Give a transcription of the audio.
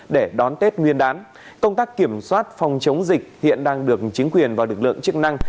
để đón tết nguyên đán công tác kiểm soát phòng chống dịch hiện đang được chính quyền và lực lượng chức năng